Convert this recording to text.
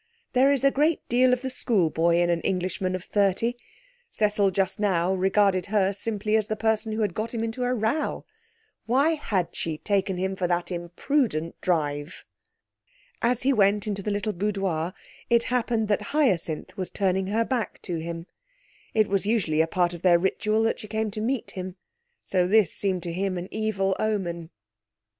There is a great deal of the schoolboy in an Englishman of thirty. Cecil just now regarded her simply as the person who had got him into a row. Why had she taken him for that imprudent drive? As he went into the little boudoir it happened that Hyacinth was turning her back to him. It was usually a part of their ritual that she came to meet him. So this seemed to him an evil omen.